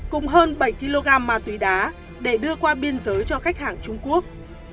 cùng hơn bảy kg ma túy đá để đưa qua biên giới cho khách hàng trung quốc